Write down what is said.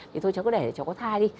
thì thôi cháu cứ để để cháu có thai đi